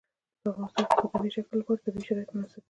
په افغانستان کې د ځمکنی شکل لپاره طبیعي شرایط مناسب دي.